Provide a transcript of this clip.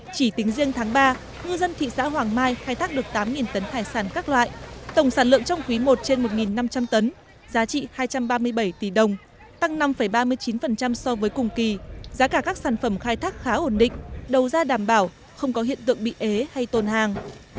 chỉ tính riêng tháng ba ngư dân thị xã hoàng mai khai thác được tám tấn hải sản các loại tổng sản lượng trong quý i trên một năm trăm linh tấn giá trị hai trăm ba mươi bảy tỷ đồng tăng năm ba mươi chín so với cùng kỳ giá cả các sản phẩm khai thác khá ổn định đầu ra đảm bảo không có hiện tượng bị ế hay tôn hàng